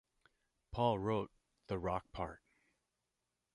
Paul wrote the rock part.